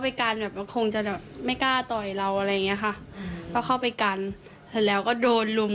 เพื่อที่จะเข้าไปรับคน